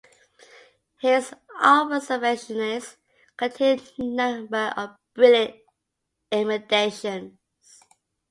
His "Observationes" contain a number of brilliant emendations.